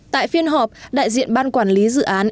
tại phiên họp đại diện ban quản lý dự án